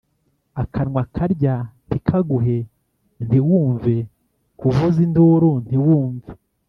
Akanwa karya ntikaguhe (ntiwumve) kavuza induru ntiwumve.